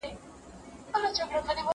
املا د کلمو په تجزیه او تحلیل کي مرسته کوي.